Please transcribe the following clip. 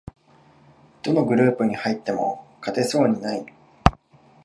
どのグループに入っても勝てそうにない